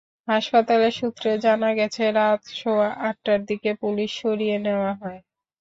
হাসপাতাল সূত্রে জানা গেছে, রাত সোয়া আটটার দিকে পুলিশ সরিয়ে নেওয়া হয়।